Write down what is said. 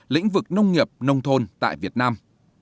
lĩnh vực nông nghiệp nông thôn tại việt nam